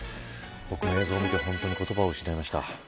僕も映像を見て言葉を失いました。